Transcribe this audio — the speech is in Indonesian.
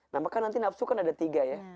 nah maka nanti nafsu kan ada tiga ya